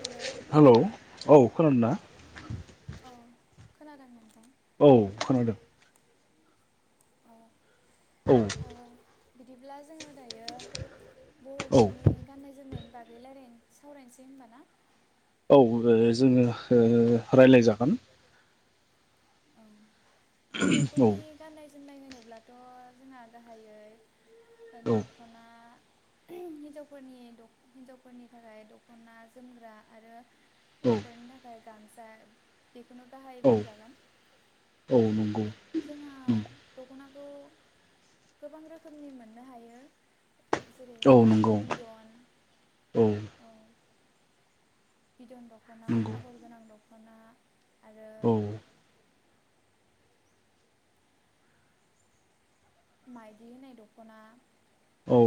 Hello hello औ खोनादोंना औ खोनादों नोंथां औ खोनादों औ औ ओ बिदिब्ला जोङो दायो औ बर'फोरनि गाननाय जोमनायनि बागै राय्लायनो सावरायनोसै होनबा ना? औ जोङो ओ राय्लाय जागोन औ औ बर'फोरनि गाननाय जो- जोमनाय होनोब्लाथ जोंहा गाहायै औ दख'ना [unintelligible] हिन्जावफोरनि हिन्जावफोरनि थाखाय दखना जोमग्रा आरो औ हौवाफोरनि थाखाय गामसा खुनु गाहायै औ बुंजागोन औ नंगौ जोंहा नंगौ दख'नाखौ गोबां रोखोमनि मोननो हायो औ जेरैहाय नंगौ बिदन औ औ बिदन दख'ना नंगौ आगर गोनां दख'ना आरो औ माइदि होननाय दख'ना औ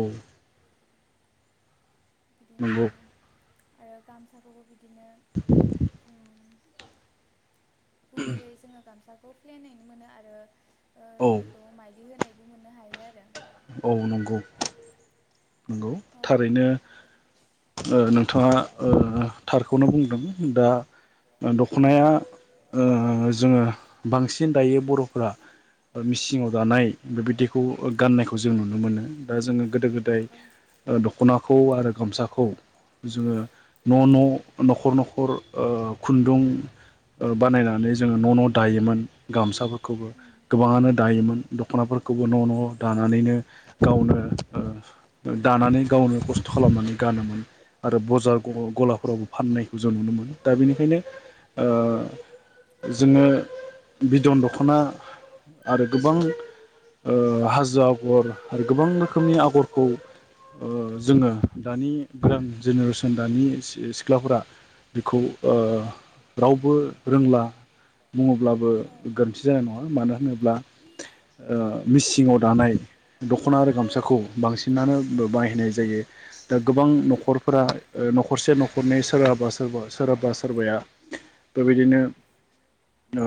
बिदिनो नंगौ आरो गामसाखौबो बिदिनो गुबैयै जोङो गामसाखौ प्लेनैनो मोनो आरो औ बेखौ माइदि होनायबो मोननो हायो आरो औ नंगौ नंगौ औ थारैनो नोंथां नोंथाङा औ थारखौनो बुंदों दा दखनाया ओ जोङो बांसिन दायो बर'फोरा मिसिङाव दानाय बेबायदिखौ गाननायखौ जों नुनो मोनो दा जोङो गोदो गोदाय ओं औ नाखौ आरो गामसाखौ जोङो न' न' न'खर न'खर ओ खुन्दुं बानायनानै ओ जोङो न' न' दायोमोन गामसाफोरखौबो उम गोबाङानो दायोमोन दखनाफोरखौबो न' न' उम दानानैनो गावनो ओ ओ दानानै गावनो खस्थ खालामनानै गानोमोन आरो बजार गलाफोरावबो फाननायखौ जों नुनो मोनो दा बेनिखायनो ओ जोङो बिदन दखना आरो गोबां ओ हाजो आगर आरो गोबां रोखोमनि आगरखौ ओ जोङो दानि गोदान जेनेरेसन दानि सि-सिख्लाफोरा बेखौ ओ रावबो रोंला बुङोब्लाबो औ गोरोन्थि जानाय नङा। मानो होनोब्ला मिसिङाव दानाय दखना आरो गामसाखौ बांसिनानो बा- बाहायनाय जायो। दा गोबां नख'रफोरा ओ नख नख'रसे नख'रनै सोरहाबा सोरबा सोरहाबा सोरबाया बेबायदिनो ओ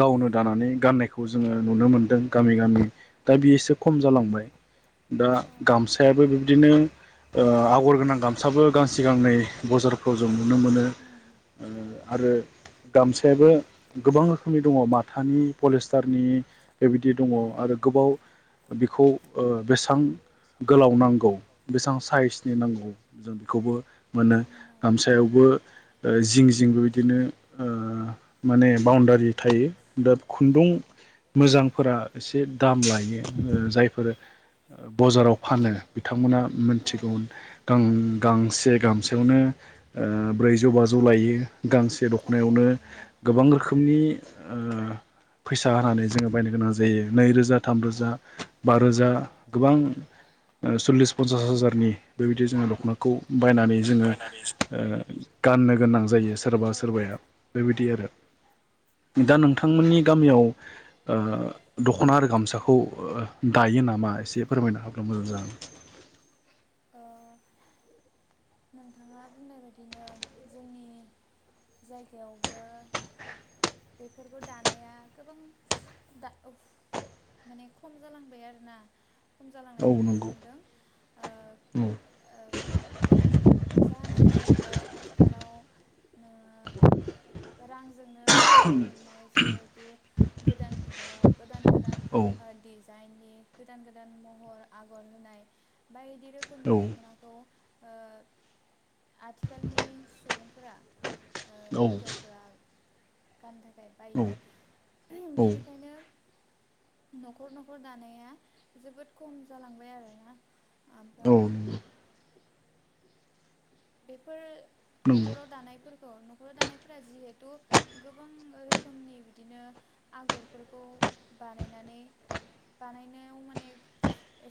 गावनो दानानै गाननायखौ जोङो नुनो मोनदों गामि गामि दा बेयोसो खम जालांबाय दा ओं औ गामस गामसायाबो बिबदिनो ओ आगर गोनां गामसाबो गांसे गांनै बजारफ्राव जों नुनो मोनो उम औ आरो गामसायाबो गोबां रोखोमनि दङ माथानि पलिस्टारनि बेबायदि दङ उम आरो उम गोबाव खौ ओ बेसां गोलाव नांगौ बेसेबां साइसनि नांगौ जों बेखौबो मोनो बेखौबो मोननो हायो गामसायावबो ओ जिं जिंबो बिदिनो ओ माने बाउणडारि थायो दा खुन्दुं मोजांफोरा एसे दाम लायो ओ जायफोर बजाराव फानो बिथांमोना औ मोनथिगौ गां गांसे गामसायावनो ओ ब्रैजौ बाजौ लायो। गांसे दखनायावनो नंगौ गोबां रोखोमनि ओ फैसा होनानै उम जोङो बायनो गोनां जायो। नैरोजा थामरोजा बा रोजा गोबां ओ सल्लिस पन्सास हाजारनि बेबायदि जोङो दखनाखौ बायनानै जोङो ओ गाननो गोनां जायो। सोरबा औ औ सोरबाया बेबायदि आरो दा नंगौ नोंथांमोननि गामियाव ओ दख'ना आरो गामसाखौ दायो नामा एसे फोरमायनो होबा। मोजां औ नोंथाङा बुंनाय बायदिनो जोंनि जायगायावबो बेफोरखौ दानाया गोबां दा माने खम जालांबाय आरोना खम औ जालांनायखौ नुनो नंगौ मोनदों ओ औ ओ जाहोना जाहैबाय आथिखालाव ओ रां जोंनो बायनानै मोननाय जिहेथु गोदान मुगायाव गोदान गोदान औ ओ दिस दायननि गोदान गोदान महर आगर होनाय बाय दि रोखोमनि औ दखनाखौ आथिखालनि सुबुंफोरा। ओ औ हिन्जावफोरा गानदों। बायो औ बेनिखायनो नखर नखर दानाया जोबोद खम जालांबाय आरोना औ ओमफ्राय नंगौ औ बेफोर नखराव दानायफोरखौ नखराव दानायफोरा जिहेथु गोबां रोखोमनि बिदिनो आगरफोरखौ बानायनानै बानायनायाव माने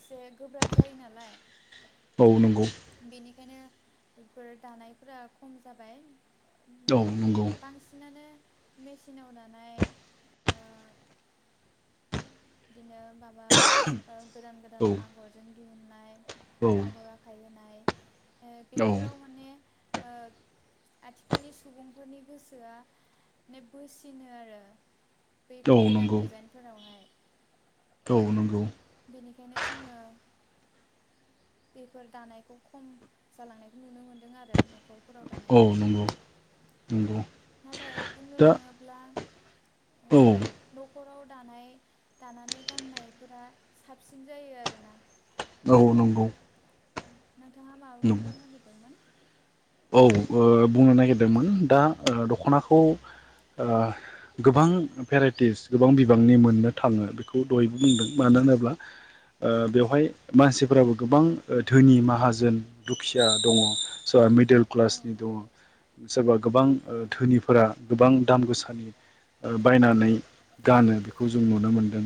एसे गोब्राब जायो नालाय। औ नंगौ। खायनो बेफोर दानायफोरा खम जाबाय। औ नंगौ। मेसिनाव दानाय ओ बिदिनो माबा ओ गोदान औ गोदान आगरजों दिहुननाय औ आगर आखाय होनाय। बेफोराव माने ओ आथिखालनि सुबुंफोरनि गोसोआ माने बोसिनो आरो औ बैफोर गोदान नंगौ डिजाइनफोरावहाय। औ नंगौ। बेनिखायनो जोङो बेफोर दानायखौ खम जालांनायखौ नुनो मोनदों आरो नखर औ नंगौ नंगौ। नाथाय बुंनो दा थाङोब्ला औ। खराव दानाय दानानै गाननायफोरा साबसिन जायो आरोना। औ नंगौ। नोंथाङा माबा नंगौ बुंनो नागिरदोंमोन औ ओ बुंनो नागिरदोंमोन दा ओ दखनाखौ ओ गोबां भेराइटिस गोबां बिबांनि मोननो थाङो बेखौ दहाय बुंदों मानो होनोब्ला ओ बेवहाय मानसिफोराबो गोबां धोनि माहाजोन दुखिया दङ सोरबा डिल औ क्लासनि दङ सोरबा गोबां औ ओ औ धोनिफोरा गोबां दाम गोसानि ओ बायनानै गानो बेखौ जों नुनो मोनदों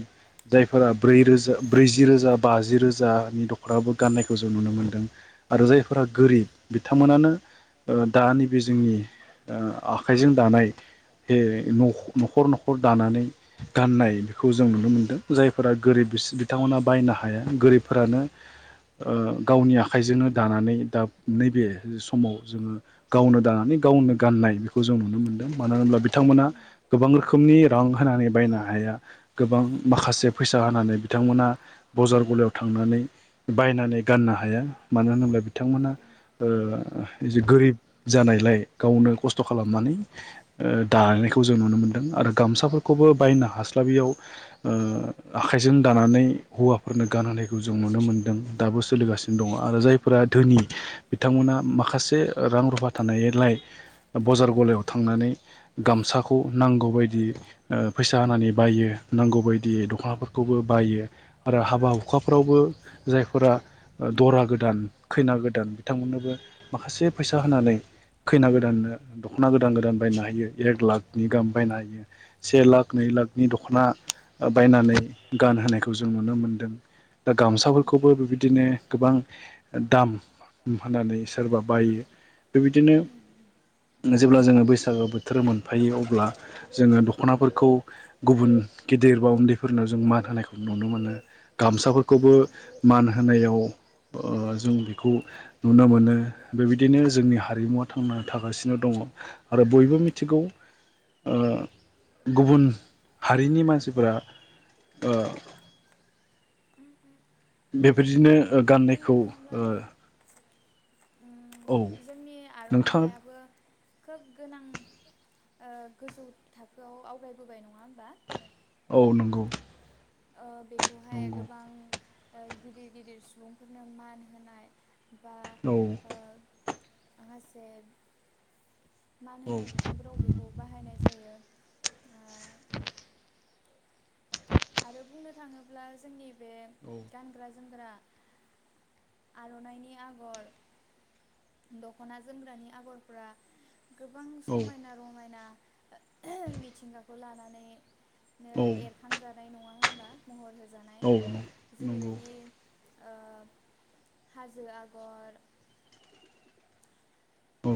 जायफोरा ब्रै रोजा ब्रैजि रोजा बाजि रोजानि दखनाबो गाननायखौ जों नुनो मोनदों आरो जायफोरा गोरिब बिथांमोनानो ओ दा नैबे जोंनि ओ आखाइजों दानाय बे न नखर नखर दानानै गाननाय बेखौ जों नुनो मोनदों जायफोरा गोरिब बिसो बिथांमोना बायनो हाया गोरिबफोरानो ओ गावनि आखाइजोंनो दानानै दा नैबे जु हमाव जोङो गावनो दानानै गावनो गाननाय बेखौ जों नुनो मोन्दों मानो होनब्ला बिथांमोना गोबां रोखोमनि रां होनानै बायनो हाया गोबां औ माखासे ओं फैसा होनानै बिथांमोना बजार गलायाव थांनानै बायनानै गाननो हाया मानो होनोब्ला बिथांमोना ओं ओ ओ जि गोरिब जानायलाय गावनो खस्थ खालामनानै ओ दानायनायखौ जों नुनो मोनदों आरो गामसाफोर खौबो ओं बायनो हास्लाबैयाव ओ आखाइजों दानानै हौवाफोरनो गानहोनायखौ जों नुनो मोनदों दाबो सोलिगासि दङ आरो औ जायफोरा नंगौ धोनि बिथांमोना माखासे रां रुफा थानायलाय बजार गलायाव थांनानै गामसाखौ नांगौबायदि ओ फैसा होनानै बायो नांगौ बायदि दखनाफोरखौबो बायो आरो हाबा हुखाफ्रावबो जायफोरा दरा गोदान खैना गोदान बिथांमोननोबो माखासे फैसा होनानै खैना गोदाननो दखना गोदान गोदान बायना होयो एक लाखनि गाहाम बायना होयो से लाख नै लाखनि दखना ओ बायनानै गान होनायखौ जों नुनो मोनदों। दा गामसाफोरखौबो नंगौ बेबायदिनो गोबां ओ दाम फाननानैस सोरबा बायो। बेबायदिनो। नो जेब्ला जोङो बैसागो बोथोर मोनफायो अब्ला जोङो दखनाफोरखौ गुबुन गिदिर बा उन्दैफोरनो जों मान होनायखौ नुनो मोनो गामसाफोरखौबो मान होनायाव ओ जों बिखौ नुनो मोनो। बेबायदिनो जोंनि हारिमुवा थांना थागासिनो दङ आरो बयबो मिथिगौ ओ गुबुन हारिनि मानसिफोरा ओ उम उम बेबायदिनो ओ गाननायखौ ओ ओम औ जोंनि नोंथाङा आरनायाबो खोब गोनां ओ गोजौ थाखोआव आवगायबोबाय नङा होमबा? औ नोंगौ ओ बेफ खौहाय गोबां ओ गिदिर गिदिर सुबुंफोरनो मान होनाय बा औ ओ माखासे मान औ होनाय बिथिंफोराव बेखौ बाहायनाय जायो। ओ [inaudible] आरो बुंनो थाङोब्ला जोंनि बे औ गानग्रा जोमग्रा आरनाइनि आगर दखना जोमग्रानि आगरफोरा गोबां औ समायना रमायना ओ मिथिंगाखौ लानानै नो एरखां जा नाय नङा होमबाथ महर हो जानाय औ नंगौ जेरैबायदि ओब हाजो आगर। औ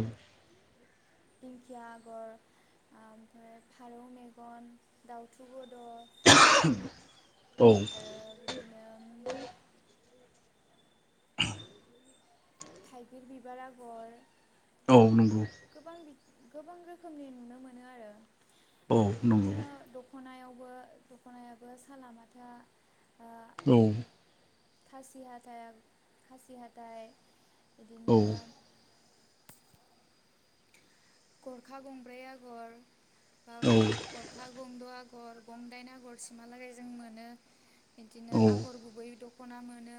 दिंखिया आगर आमफ्राय फारौ मेगन दाउथु गुद औ आरो बिदिनो थाइगिर बिबार आगर। औ नंग गोबां बि गोबां रोखोमनि नुनो मोनो आरो औ बिदिनो नंगौ दखनायाव [unintelligible] बो दखनायाबो सालामाथा औ खासि हाथाइ आग खासि हााथाइ औ बिदिनो गरखा गंब्रै आगर बा औ गर गरखा गंद' आग गर गंदाइन आगरसिमहालागै जों मोनो। बिदिनो औ आगर गुबै दख दखना मोनो।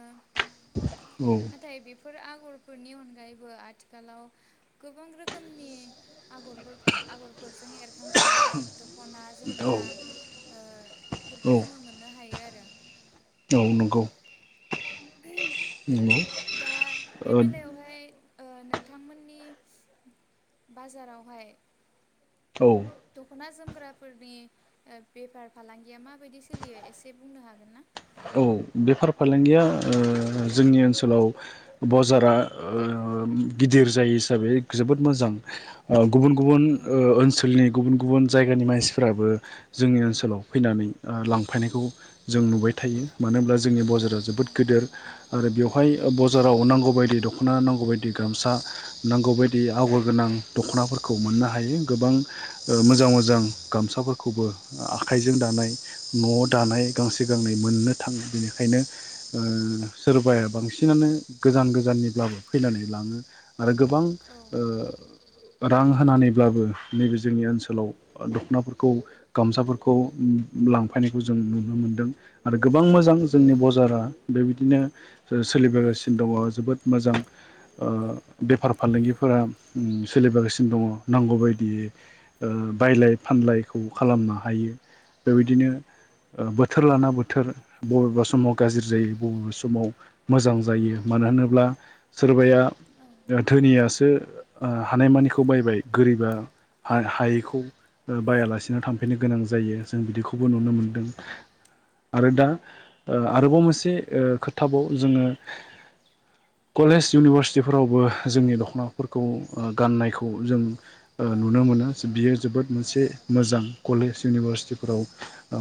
औ नाथाय बिफो फोर आगरफोरनि अनगायैबो आथिखालाव गोबां रोखोमनि आगरबो आगरफोरजों एर खांजानाय दखना औ जोमग्रा ओ फोरफोरखौ औ जोङो मोननो हायो आरो नंगौ नंगौ दा बे बेलायावहाय ओ नोंथांमोननि बाजारावहाय औ दखना जोमग्राफोरनि ओ बेफार फालांगिया माबायदि सोलियो एसे बुंनो हागोन ना? औ बेफार फालांगिया ओ जोंनि ओनसोलाव बजारा ओ गिदिर जायो हिसाबै जोबोद मोजां ओ गुबुन गुबुन औ ओ ओनसोलनि गुबुन गुबुन जायगानि मानसिफोराबो जोंनि ओनसोलाव फैनानै ओ लांफायनायखौ जों नुबाय थायो मानो होनब्ला जोंनि औ ओं बजारा जोबोद गोदोर आरो बेवहाय ओं उम बजाराव नांगौ बायदि दख दखना नांगौ बायदि गामसा नांगौ बायदि आगर गोनां दखनाफोरखौ मोननो हायो गोबां ओ मोजां मोजां गामसाफोरखौबो ओ आखाइजों दानाय नआव दानाय गांसे गांनै मोननो थाङो बेनिखायनो ओ सोरबाया बांसिनानो गोजान गोजाननिब्लाबो फैनानै लाङो आरो गोबां औ ओ नंगौ रां होनानैब्लाबो नैबे जोंनि ओनसोलाव दखनाफोरखौ गामसाफोरखौ लांफैनायखौ जों नुनो मोनदों। आरो गोबां औ मोजां जोंनि बजारा बेबायदिनो सोलिबोगासिनो दङ जोबोद मोजां ओ बेफार फालांगिफोरा उम सोलिबोगासिनो दङ नांगौबायायदियै ओ बायलाय फानलायखौ खालामनो हायो बेबायदिनो ओ बोथोर लाना बो थोर बबेबा समाव गाज्रि जायो बबेबा समाव मोजां जायो मानो होनोब्ला सोरबाया औ धोनियासो ओ हानायमानिखौ बायबाय गोरिबा हा हायैखौ ओ बायालासिनो थांफिननो गोनां जायो। जों बिदिखौबो औ नुनो नंगौ मोनदों। आरो दा ओ आरोबाव मोनसे खोथाबाव जोङो कलेज इउनिभारसिटिफोरावबो जोंनि दखनाफोरखौ ओ गाननायखौ जों ओ ओं नुनो मोनो ओं बियो जोबोद मोनसे मोजां कलेज इउनिभारसिटिफोराव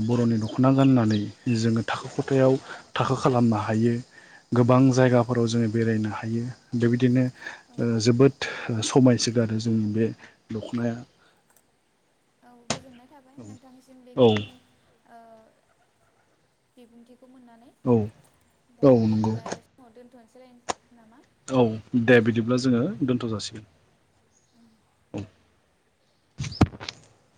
बरनि दखना गाननानै जोङो थाखो खथायाव थाखो खालामनो हायो गोबां जायगाफोराव जोङो बेरायनो हायो बेबायदिनो औ ओ औ जोबोद ओ समायसोगारो जोंनि बे दखनाया औ गोजोननाय थाबाय नोंथांसिम औ बेखिनि ओ बिबुंथि खौ मोननानै औ दा औ नंगौ बिदिब्ला बे समाव दोन थनोसोलाय नामा औ दे बिदिब्ला जोङो दोनथ जासिगोन [inaudible]